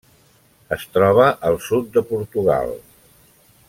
Es troba al sud de Portugal.